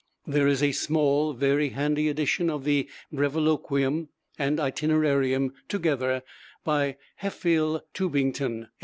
There is a small, very handy edition of the 'Breviloquium' and 'Itinerarium' together, by Hefele (Tübingen, 1861).